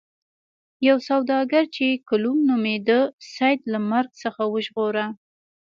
یو سوداګر چې کلوم نومیده سید له مرګ څخه وژغوره.